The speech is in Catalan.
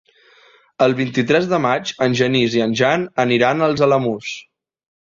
El vint-i-tres de maig en Genís i en Jan aniran als Alamús.